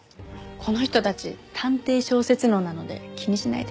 この人たち探偵小説脳なので気にしないで。